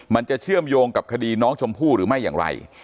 เชื่อมโยงกับคดีน้องชมพู่หรือไม่อย่างไร